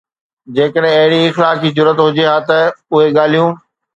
جيڪڏهن اهڙي اخلاقي جرئت هجي ها ته اهي ڳالهيون